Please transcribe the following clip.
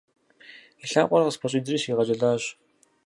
И лъакъуэр къыспэщӏидзри, сигъэджэлащ.